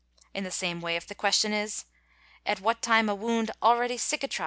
I the same way if the question is, at what time a wound already cicatri